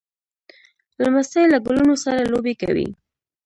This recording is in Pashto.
لمسی له ګلونو سره لوبې کوي.